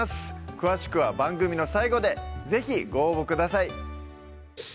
詳しくは番組の最後で是非ご応募ください